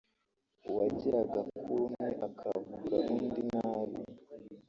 uwageraga kuri umwe akavuga undi nabi